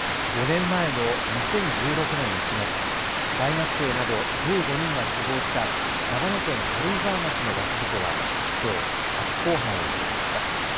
５年前の２０１６年１月、大学生など１５人が死亡した長野県軽井沢町のバス事故はきょう初公判を迎えました。